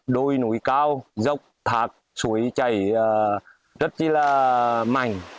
đôi núi cao dốc thạc suối chảy rất là mảnh